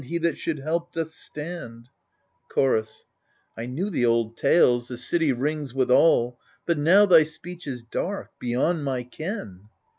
He that should help doth stand I E so AGAMEMNON Chorus I knew th' old tales, the city rings withal — But now thy speech is dark, beyond my ken.